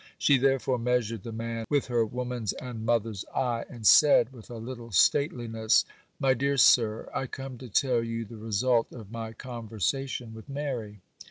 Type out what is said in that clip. She therefore measured the man with her woman's and mother's eye, and said, with a little stateliness,— 'My dear sir, I come to tell you the result of my conversation with Mary.